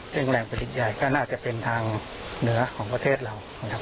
เครื่องแรงปฏิบิจิกายก็น่าจะเป็นทางเหนือของประเทศเรานะครับ